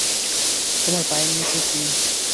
তোমার পায়ের নিচে কি?